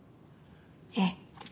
ええ。